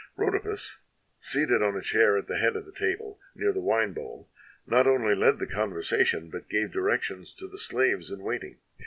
Rhodopis, seated on a chair at the head of the table near the wine bowl, not only led the conversation, but gave directions to the slaves in waiting.